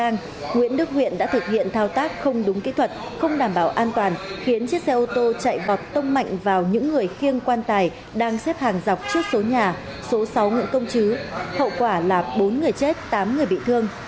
nguyễn đức huyện đã thực hiện thao tác không đúng kỹ thuật không đảm bảo an toàn khiến chiếc xe ô tô chạy vọt tông mạnh vào những người khiêng quan tài đang xếp hàng dọc trước số nhà số sáu nguyễn công chứ hậu quả là bốn người chết tám người bị thương